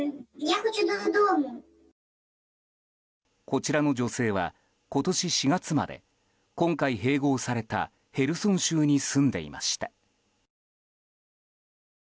こちらの女性は今年４月まで今回併合されたヘルソン州に住んでいました。